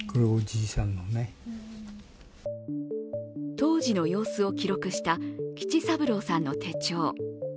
当時の様子を記録した吉三郎さんの手帳。